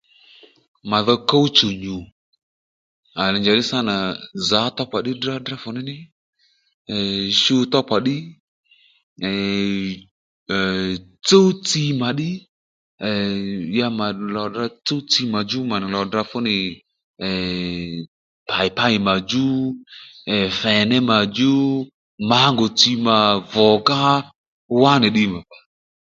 Mà dho kúw chù nyù à le njàddí sâ nà zǎ tókpà ddí drá fù ní ní ee shu tókpà ddí ee eii tsúw tsi mà ddí ee ya mà nì lò tdrǎ tsúw tsi màdjú mà nì lò tdrǎ fú nì ee pàypáy màdjú ee fèné mà djú mǎngù tsi mà vùgá wá nì ddiy nà